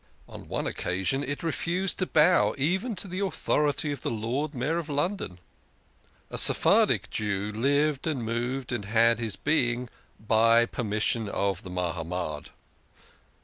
On one occasion it refused to bow even to the authority of the Lord Mayor of London. A Sephardic Jew lived and moved and had his being " by permission of the Mahamad."